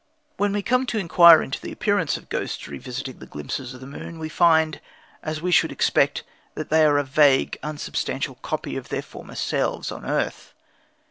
When we come to inquire into the appearance of ghosts revisiting the glimpses of the moon, we find, as we should expect, that they are a vague, unsubstantial copy of their former selves on earth.